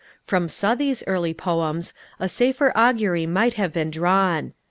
From Southey's early poems, a safer augury might have been drawn.